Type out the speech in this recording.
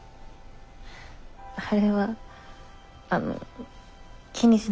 あれはあの気にしないで下さい。